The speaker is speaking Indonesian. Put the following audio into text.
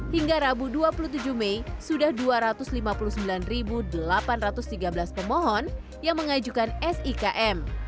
hingga rabu dua puluh tujuh mei sudah dua ratus lima puluh sembilan delapan ratus tiga belas pemohon yang mengajukan sikm